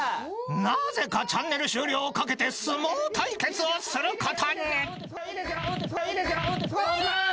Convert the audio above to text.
［なぜかチャンネル終了を懸けて相撲対決をすることに］